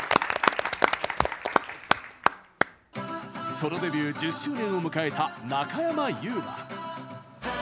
ソロデビュー１０周年を迎えた、中山優馬。